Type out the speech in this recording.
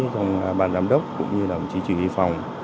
trong bàn giám đốc cũng như là đồng chí chỉ nghị phòng